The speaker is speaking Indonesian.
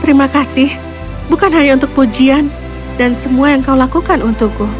terima kasih bukan hanya untuk pujian dan semua yang kau lakukan untukku